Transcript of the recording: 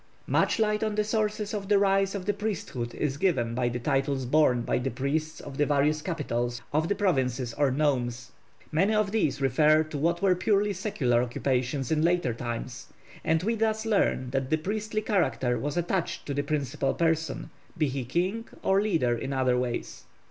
Much light on the sources of the rise of the priesthood is given by the titles borne by the priests of the various capitals of the provinces or nomes. Many of these refer to what were purely secular occupations in later times, and we thus learn that the priestly character was attached to the principal person, be he king, or leader in other ways.